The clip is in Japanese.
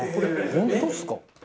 「本当っすか？」